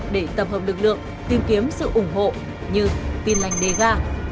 để tập hợp lực lượng tìm kiếm sự ủng hộ như tin lành đề ga